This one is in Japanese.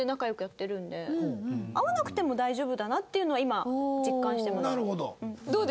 合わなくても大丈夫だなっていうのは今実感してます。